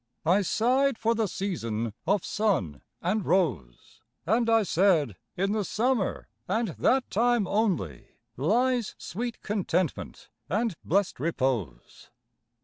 I sighed for the season of sun and rose, And I said, "In the Summer and that time only Lies sweet contentment and blest repose."